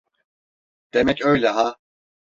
Demek öyle ha?